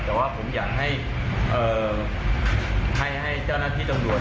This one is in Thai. แต่ว่าผมอยากให้เจ้าหน้าที่ตำรวจ